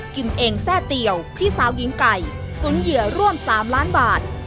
เองแทร่เตียวพี่สาวหญิงไก่ตุ๋นเหยื่อร่วม๓ล้านบาท